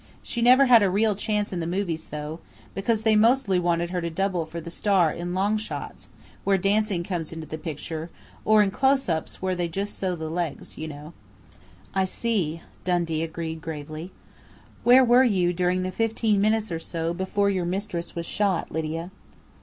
She never had a real chance in the movies, though, because they mostly wanted her to double for the star in long shots, where dancing comes into the picture, or in close ups where they just show the legs, you know." "I see," Dundee agreed gravely. "Where were you during the fifteen minutes or so before your mistress was shot, Lydia?"